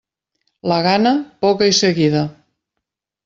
La gana, poca i seguida.